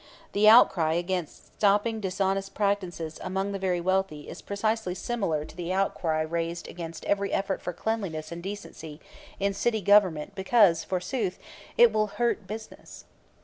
The outcry against stopping dishonest practices among the very wealthy is precisely similar to the outcry raised against every effort for cleanliness and decency in city government because, forsooth, it will "hurt business."